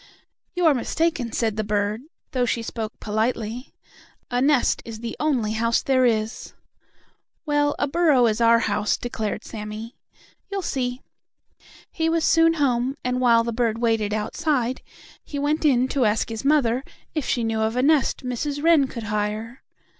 "You are mistaken," said the bird, though she spoke politely. "A nest is the only house there is." "Well, a burrow is our house," declared Sammie. "You'll see." He was soon home, and, while the bird waited outside, he went in to ask his mother if she knew of a nest Mrs. Wren could hire.